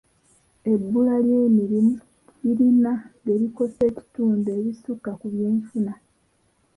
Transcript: Ebbula ly'emirimu lirina bye likosa ekitundu ebisukka ku byenfuna.